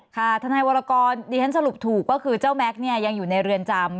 ทนายวรกรดิฉันสรุปถูกก็คือเจ้าแม็กซ์เนี่ยยังอยู่ในเรือนจำ